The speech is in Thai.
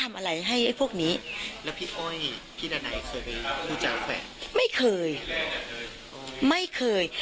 ไม่เคย